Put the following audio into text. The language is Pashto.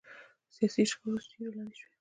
سیاسي شخړو سیوري لاندې شوي.